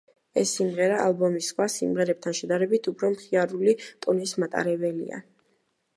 ეს სიმღერა, ალბომის სხვა სიმღერებთან შედარებით, უფრო მხიარული ტონის მატარებელია.